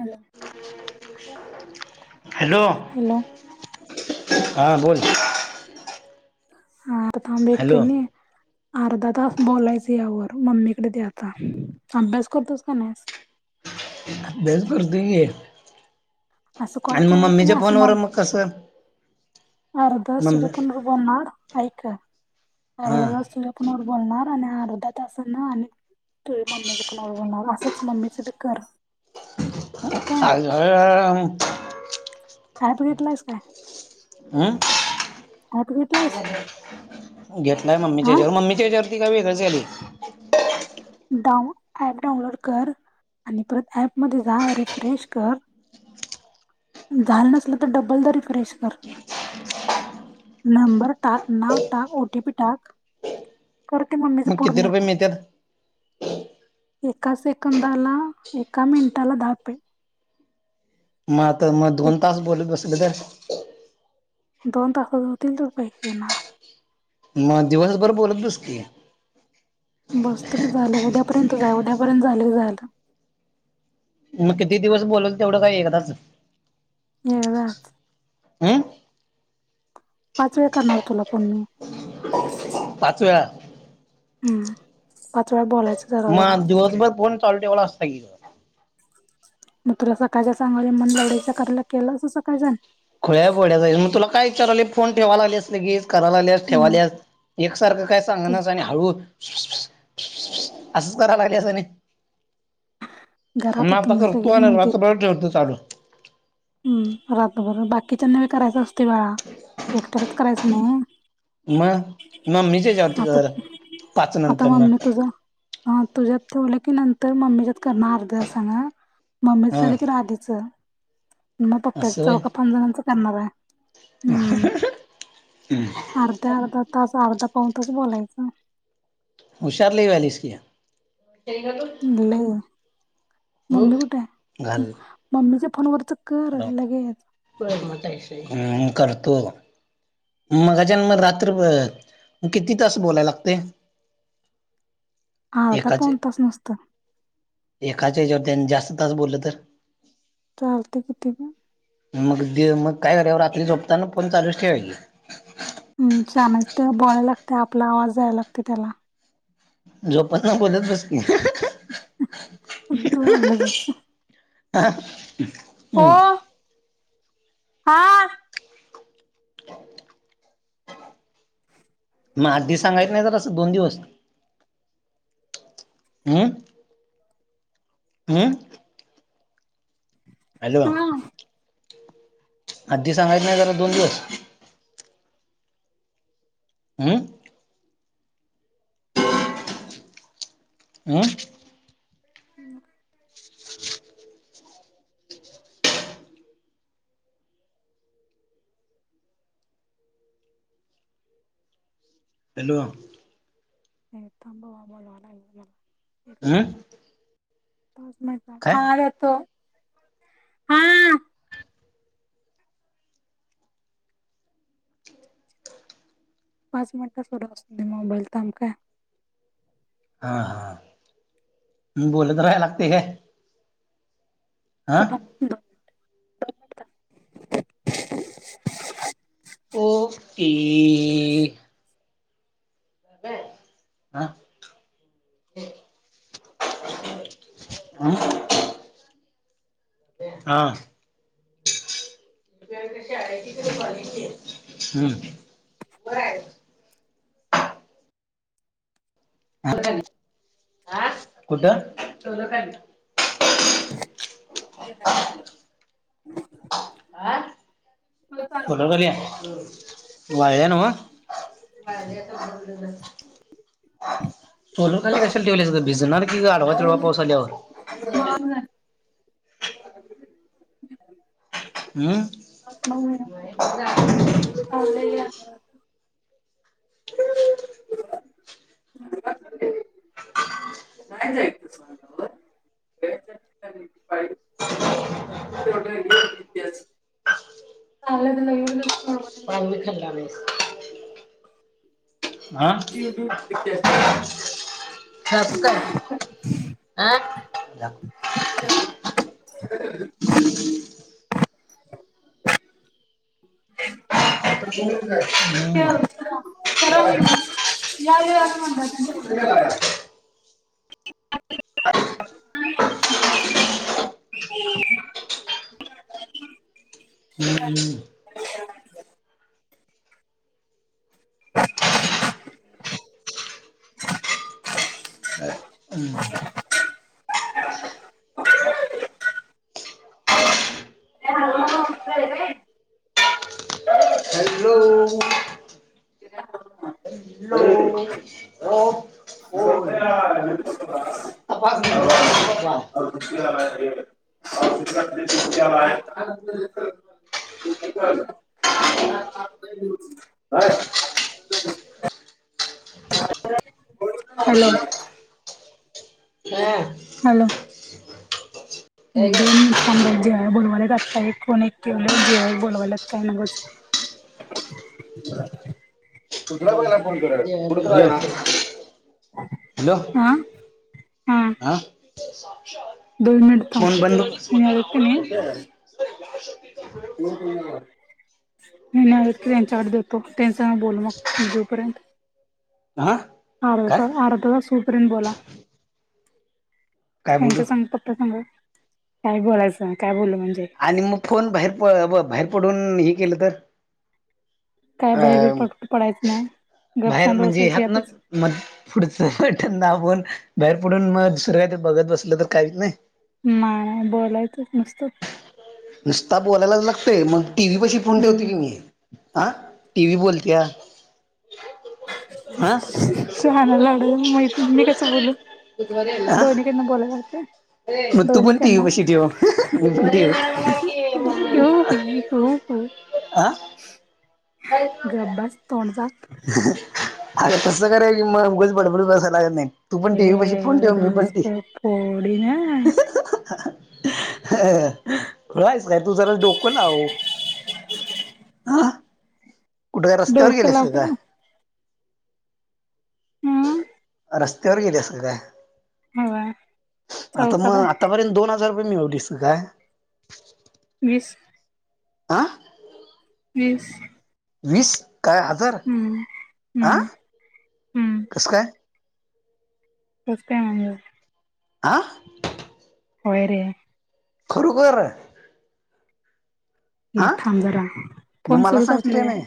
Hello. Hello hello हां बोल आर थांब एक हॅलो कनी अर्धा.... आता बोलायच याव [unintelligible] अभ्यास करतोय असं की कॉल आणि मग केलास की मम्मीच्या नाही असं फोनवर मग कसं? [unintelligible] [inaudible] अर्धा तास तुझ्या मम्मी पुनवर हा बोलणार आणि अर्धा तासान आणि [inaudible] तु् मम्मीचे पनवर बनणार असंच मम्मीचं बी कर [inaudible] काय आझार हात घेतलायस काय हम्म हात घेतलायस [inaudible] [inaudible] घेतलाय मम्मीच्या हा हच्यावर मम्मीच्या हच्यावरती का वेगळी झाली डा ऍप डाऊनलोड कर आणि परत ऍप मध्ये जा रिफ्रेश कर [inaudible] [inaudible] झालं नसलं तर डबल द रिफ्रेशनर [inaudible] नंबर टा नाव टा ओ टीपी टा करते मम्मीच मग किती पूर्ण रुपये मिळतात [inaudible] एका सेकंदाला एका मिनिटाला धापे [inaudible] [inaudible] मग आता मग दोन तास बोल बस दोन तासात होतील तर पैकी ना [inaudible] मग दिवसभर बोलतुस की [inaudible] र्य जा उद्यापर्यंत झालेला [inaudible] मग किती दिवस बोलाल तेवढं काही एकताच [inaudible] हे कदा [inaudible] हं [inaudible] पाच वेळ करणार तुला पण म [inaudible] पाच वेळा [inaudible] हम् पाचर बलाय [inaudible] मग दिवसभर फोण चाल ठेवला असत की [inaudible] मग तुला सकाळच्या सांगाय मन लवडाच कला केलं अस सकाळच्या विचार फोन ठेवाय लागलेस लगेच कराय लागल्यास हम्म ठेवाल्यास एकसारखं काय तू सांगनास आणि हळू [inaudible] [inaudible] असंच करा लागले असं नाही [inaudible] घरात होत म प तुम्ही कर तू आणि वाच ब ठेवत चालू [inaudible] हम् रात बबर बाकीच्या न करायचं असते बाेळा एकट्याच करायचं नाही [inaudible] म म म्मीचेे जती घर आता [inaudible] आता मम्मी तुझा हा तुझ्यात ठेवलं की नंतर मम्मीच्यात करणार अर्ध सांगा मम्मीच हा झालं की राधेचं [inaudible] मग पप्प्याच असं होय चौका पाच जणांच करणार आहे [inaudible] हम्म [inaudible] अर्धा अर्धा तास अर्धा पाऊन तास बोलायचं होशारली वॅलीसकी [inaudible] लय [inaudible] मम्मी कुठे आहे मम्मीच्या फोनवरच कर लगेच [inaudible] हम् करतो मगाजन् म रात्र किती तास बोलाय लागते [inaudible] अर्धा एकाचे पाऊन तास नुसतं एकाचे ज [inaudible] जास्त तास बोललं तर [inaudible] चालते किती का [inaudible] मग मग काय करा रात्री झोपताना फोन चालूच ठेवायची [inaudible] हम् छान ते बोलायला लागते आपला आवाज दयला लागते त्याला [inaudible] [inaudible] जो पण ना बोलत बसती [inaudible] एक त वला बस हम् [inaudible] [inaudible] हा [inaudible] [inaudible] मग आठदी सांगायच नाही तर असं दोन दिवस [inaudible] हम्म हम्म [inaudible] अलवा हा आधी सांगायच नाही जरा दोन दिवस [inaudible] हमम [inaudible] त्यां [inaudible] आ हम् हॅलो तबा वामोलला अं पाच मिनट हा रेतो हा पाच मिनिट सुरू असून दे मोबाईल थांब काय हा हा बोलत राहायला लागते का ओके हा अम हा बर आहे नी कुठं लोकांनी त तुही ट करया वाय नव चोल असेल ठव सुध भिजणार आडवा चुडवा पाउस आल्यावर हम्म अ पण मी खांड म जी कस हा फका ह जा ह हम्म हॅलो ह नमस्कार का हॅलो फोन हॅलो याला आहे काय हॅलो हॅलो दोन मिनिट थांबा जेवायला बोलवाले आत्ता एक फोन एक केवले जेव्हा एक बोलवाल्यात काय नगच कुठला पहिला फोन कराय ल हॅलो हा हा दोन मिनट थांब फोन बंद ह्यांनी आलीत की न्हाय होर कण मी नाही क्रेनचा आर्ट देतो त्यांचा म बोलू मग जूपर्यंत ह आ आडत सूपरन बला काय बोलू यांच्या सांग पप्पा सांगा काय बोलायचं काय बोल आणि मग फोन बाहेर बाहेर पडून हे केलं तर काय अ भहेरबर प पडायचं नाही गप बाहेर शांत म्हणजे बसायचं ह्यात ना यातच म पुढच बटठन दाबूनण बाहेर पडून मग दुसरं काही ते बघत बसलं तर काहीच नाही म बोलायचच मसत नुसता बोलायलाच लागतंय मग टी व्ही पशी फोन ठेवतो हम्म की मी. हा टी वी बोलतिया. शहान्या लवड्यालाच माहित मी कसं बोलू? हा दोन्हीकडन बोलाय लागतय. मग तू दोनी पण टी कडन व्ही पशी ठेव मी पण ठेव हो. आ गप बस तोंड झाक अरे कस कराय? मग उगच बडबडूनसां लागत नाय. तू पण ए टीवी पशी फोन ठेव माझं मी पण ठी. डोसकं फोडीन हं खुळा हायस काय? तू जरा डोक लाव ह. कुठ काय रस्त्यावर डोकं गेलीस की काय? लावून हम्म रस्त्यावर गेलीस की काय? हवा आता चौकात आहे मग आतापर्यंत दोन हजार. पण एवढीस काय? वीस आ? वीस वीस काय हजार हम्म हम्म अं कसं काय? कस काय म्हणजे व? आ? होय रे! खरू खरर? ये थांब जरा मग फोन मला सुरूच असून सांगतील दे काय. नाही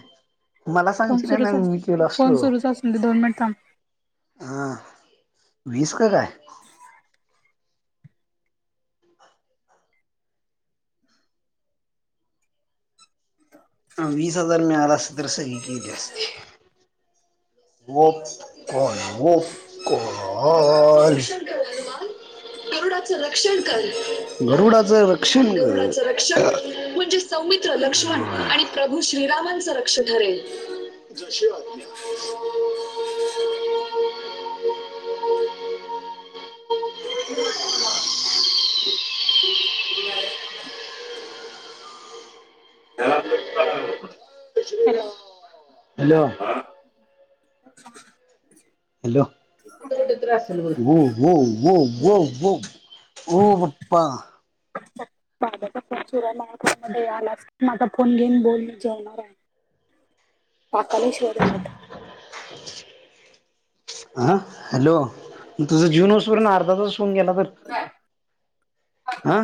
मला फोन सांगतील सुरूच नाही असू, मी केलो फोन असतो सुरूच असूंदे दोन मिनिट थांब. [inaudible] हा वीस का काय? [inaudible] वीस हजार मिळालं असत तर सही केली असती. वोप वोप कॉल. गरुडाच रक्षण कर गरुडाच रक्षण कर. गरुडाच रक्षण म्हणजे सौमित्र, लक्ष्मण आणि प्रभू श्रीरामांचं रक्षण. ठरेल जशी आपली आज्ञा. [inaudible] हॅलो हॅलो हॅलो हो हो हो हो हो. हो पप्पा. [inaudible] मध्ये आलाच आता माझा फोन घेइन न बोलली जेवणार हाय. पाकाले शोधायला ते. हा हॅलो तुझं जीवून हुं स पर्यंत अर्धा तास होऊन गेला तर? आ?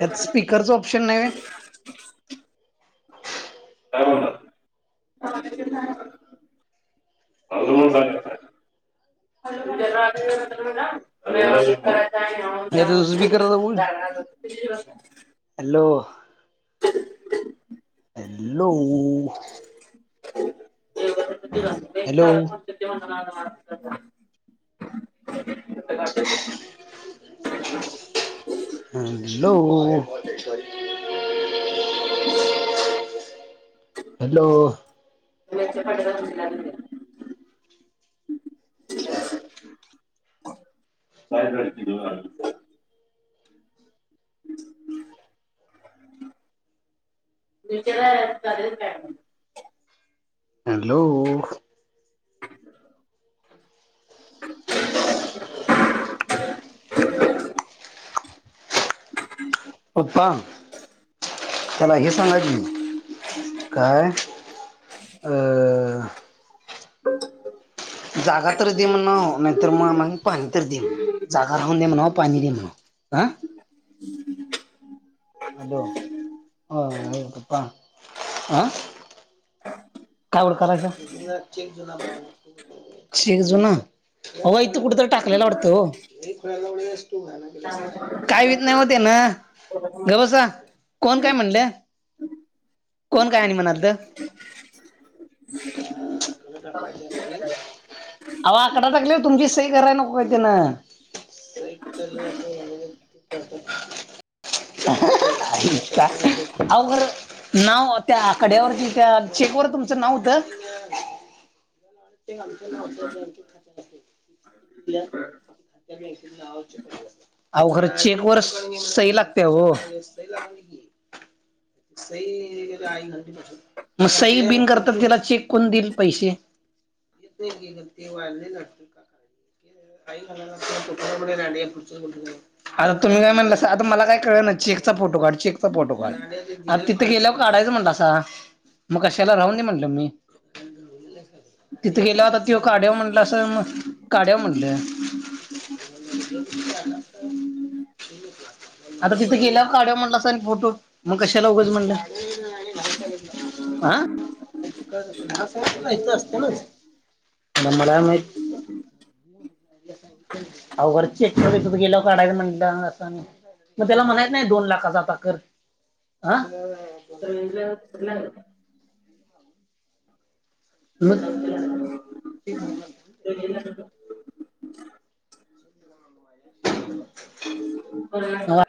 हयात स्पीकरच ऑप्शन नाय वय? काय म्हणणार? [inaudible] त्या ठिकाणी आव व्हय जावं यात स्पीकर [inaudible] हॅलो हॅलो. हॅलो [inaudible] का [inaudible] हॅललो. हॅलो काय हॅलो पप्पा त्याला हे सांगायच म काय जागा तर दे म्ह ना नाहीर मग आम्हा पाणी तर दे जागा राहून दे म्हणा पाणी देणा आ हॅलो ह पपा आ कायडं करायच क जुना क जुना अ इथं कुठ टाकलेला वाटतं काय नाही त्यांना ह गबोसा कोण काय म्हणले कोण काय आहे म्हनाद ह असती अवा आकडा टाकले तुमची सई कराय नको काही ते ना सायकल का अग नाव त्या आकड्यावरती त्या चेकवर तुमचं नाव ब आमच्या नाच्या बँके खात्या असिती दि अह खरं चेक वर सही लागते हो [inaudible] स मग सई बिन करतात तिला चेक कोण देईल पैसे येतय क ते व्हायला नाही लाटत कायला कुठ आता तुम्ही काय म्हणलं आता मला काय कळ चेकचा फोटो काढ चेकचा फोटो काढ आता तिथं गेल्यावर काढायचं म्हणत अस मग कशाला राहून नाही म्हंटलं मी तिथं गेल्या होता ति काढ्याव म्हटलं असं काढ्या म्हणलं ह् हम् हम् ह आता तिथं गेल्यावर काढवा म्हणला अस आणि फोटो मग कशाला उघंच म्हणलं हा कत अस इथं असते नाच न मला च ए कसत गला काढा मण अस मग त्याला म्हणायत नाही दोन लाखाचाताा कर ह तर म हम